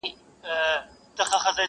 خو نه بینا سول نه یې سترګي په دعا سمېږي!.